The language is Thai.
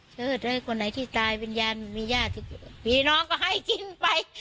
เชิดให้คนไหนที่ตายวิญญาณมีญาติพี่น้องก็ให้กินไป